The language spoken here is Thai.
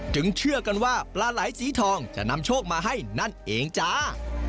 เชื่อกันว่าปลาไหล่สีทองจะนำโชคมาให้นั่นเองจ้า